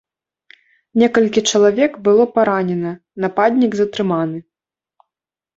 Некалькі чалавек было паранена, нападнік затрыманы.